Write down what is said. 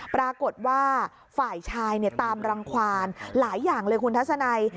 ปรากฏว่าฝ่ายชายตามรังความหลายอย่างเลยคุณทัศนัย